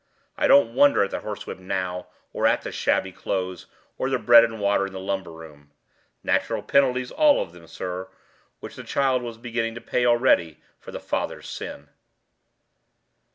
I don't wonder at the horsewhip now, or the shabby old clothes, or the bread and water in the lumber room. Natural penalties all of them, sir, which the child was beginning to pay already for the father's sin."